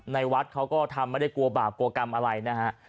ในวัดเขาก็ทำไม่ได้กลัวบาปกลัวกรรมอะไรนะฮะ